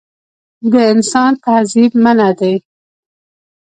د انسان تعذیب منعه دی.